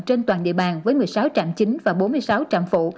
trên toàn địa bàn với một mươi sáu trạm chính và bốn mươi sáu trạm phụ